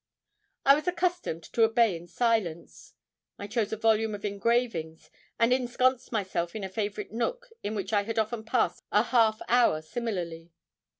I was accustomed to obey in silence. I chose a volume of engravings, and ensconced myself in a favourite nook in which I had often passed a half hour similarly.